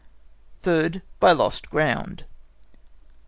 Thirdly, by lost ground.